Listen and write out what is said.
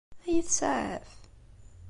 Ad iyi-tsaɛef?